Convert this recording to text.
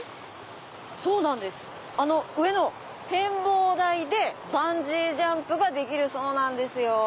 上の展望台でバンジージャンプができるそうなんですよ。